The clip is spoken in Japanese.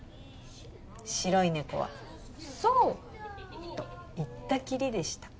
「白いねこは「そう」と言ったきりでした」